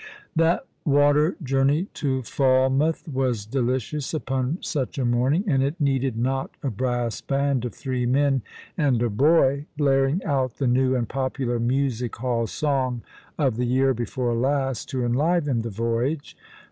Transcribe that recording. That water journey to Falmouth was delicious upon such a morning, and it needed not a brass band of three men and a boy, blaring out the new and popular music hall song of the year before last, to enliven the voyage.